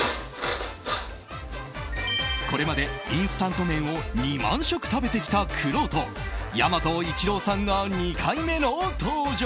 これまでインスタント麺を２万食食べてきたくろうと大和一朗さんが２回目の登場。